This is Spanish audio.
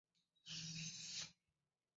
Música de Manuel Alejandro y Manuel Gordillo.